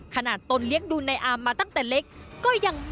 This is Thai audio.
ขณะต้นเรียกดูนายอามมาตั้งแต่เล็ก